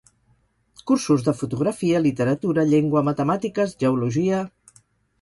Cursos de fotografia, literatura, llengua, matemàtiques, geologia...